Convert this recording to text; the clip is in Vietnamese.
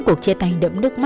cuộc chia tay đẫm nước